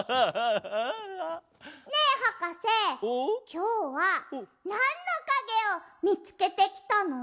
きょうはなんのかげをみつけてきたの？